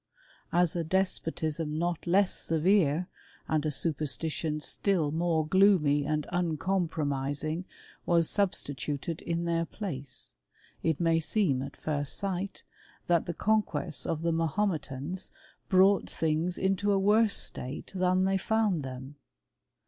As a des potism not less severe, and a superstition still more gloomy and uncompromising, was substituted in their place, it may seem at first sight, that the conquests of the Mahometans brought things into a worse state than they found them.